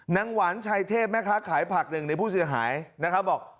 หวานชัยเทพแม่ค้าขายผักหนึ่งในผู้เสียหายนะครับบอก